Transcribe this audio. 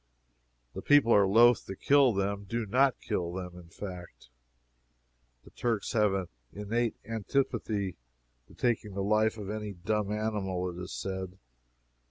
The people are loath to kill them do not kill them, in fact. The Turks have an innate antipathy to taking the life of any dumb animal, it is said.